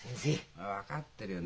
分かってるよ。